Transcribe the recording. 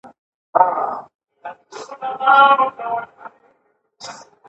موږ هڅه کوو د ژمنو پوره کولو لپاره.